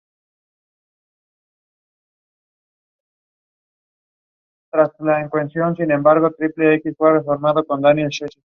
Jugó un total de dos partidos con la selección de fútbol de Noruega.